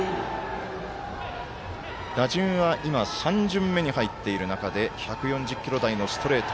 打順は今３巡目に入っている中で１４０キロ台のストレート